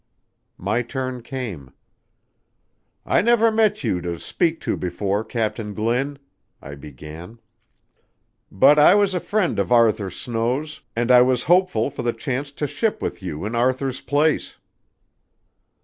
My turn came. "I never met you to speak to before, Captain Glynn," I began, "but I was a friend of Arthur Snow's, and I was hopeful for the chance to ship with you in Arthur's place."